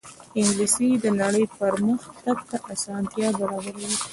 انګلیسي د نړۍ پرمخ تګ ته اسانتیا برابروي